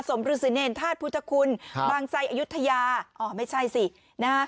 อสมรุษิเนรทาสพุทธคุณบางชัยอยุธยาอ๋อไม่ใช่สินะ